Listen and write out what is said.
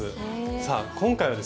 さあ今回はですね